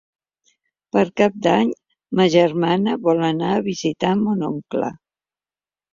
Per Cap d'Any ma germana vol anar a visitar mon oncle.